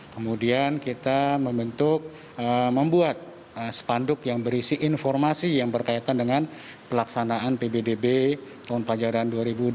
kemudian kita membentuk membuat sepanduk yang berisi informasi yang berkaitan dengan pelaksanaan ppdb tahun pelajaran dua ribu dua puluh dua ribu dua puluh satu